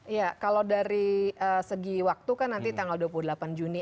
iya kalau dari segi waktu kan nanti tanggal dua puluh delapan juni